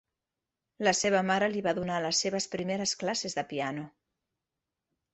La seva mare li va donar les seves primeres classes de piano.